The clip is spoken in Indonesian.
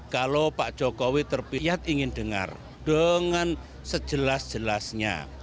kalau pak jokowi terpilih ingin dengar dengan sejelas jelasnya